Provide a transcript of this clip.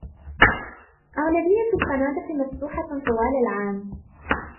أغلبية الفنادق مفتوحة طوال العام.